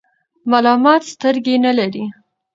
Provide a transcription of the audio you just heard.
ملامت سترګي نلری .